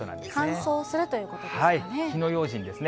乾燥するということですかね。